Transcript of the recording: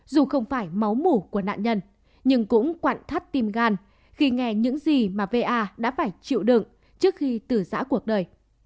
dù không phải máu mủ của nạn nhân nhưng cũng quặn thắt tim gan khi nghe những gì mà va đã phải chịu đựng trước khi tử giã cuộc đời